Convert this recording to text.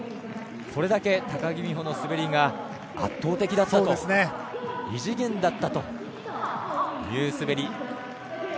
それだけ高木美帆の滑りが圧倒的だったと異次元だったという滑り。